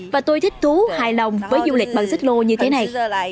và tôi thích thú hài lòng với du lịch bằng xích lô như thế này